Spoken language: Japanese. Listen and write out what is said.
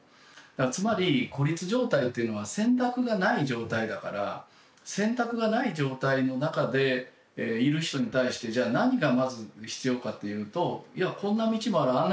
つまり孤立状態っていうのは選択がない状態だから選択がない状態の中でいる人に対してじゃあ何がまず必要かというといやこんな道もあるあんな